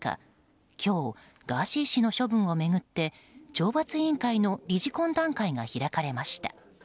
今日、ガーシー氏の処分を巡って懲罰委員会の理事懇談会が開かれました。